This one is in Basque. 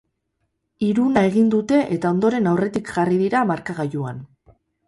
Hiruna egin dute eta ondoren aurretik jarri dira markagailuan.